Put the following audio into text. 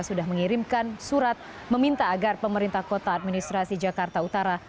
sudah mengirimkan surat meminta agar pemerintah kota administrasi jakarta utara